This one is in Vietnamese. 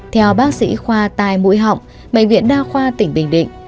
theo bác sĩ khoa tai mũi họng bệnh viện đa khoa tỉnh bình định